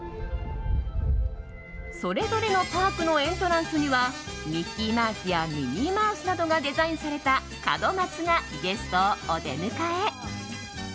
それぞれのパークのエントランスにはミッキーマウスやミニーマウスなどがデザインされた門松がゲストをお出迎え。